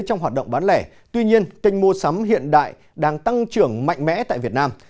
trong hoạt động bán lẻ tuy nhiên kênh mua sắm hiện đại đang tăng trưởng mạnh mẽ tại việt nam